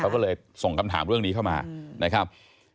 เขาก็เลยส่งคำถามเรื่องนี้เข้ามานะครับ